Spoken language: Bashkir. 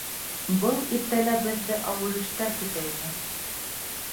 Был иртәлә беҙҙе ауыр эштәр көтә ине.